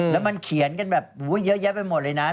แล้วมันเขียนกันแบบเยอะแยะไปหมดเลยนะ